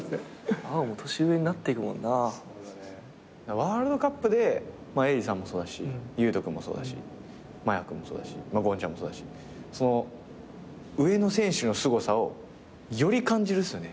ワールドカップで永嗣さんもそうだし佑都君もそうだし麻也君もそうだしゴンちゃんもそうだし上の選手のすごさをより感じるっすよね。